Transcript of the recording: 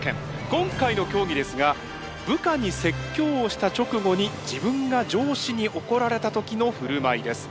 今回の競技ですが部下に説教をした直後に自分が上司に怒られた時の振る舞いです。